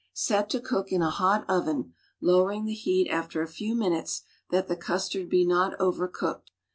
Set to cook in a hot oven, low ering the heat after a few minutes that the custard be not over cooked.